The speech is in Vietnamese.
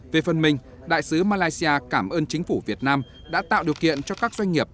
về phần mình đại sứ malaysia cảm ơn chính phủ việt nam đã tạo điều kiện cho các doanh nghiệp